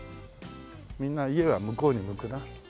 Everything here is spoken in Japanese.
みんな家は向こうに向くな。